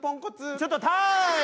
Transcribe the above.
ちょっとタイム！